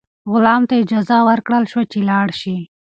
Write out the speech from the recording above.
غلام ته اجازه ورکړل شوه چې لاړ شي.